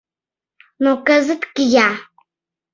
Но кызыт кия...